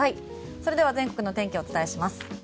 それでは、全国の天気をお伝えします。